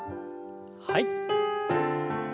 はい。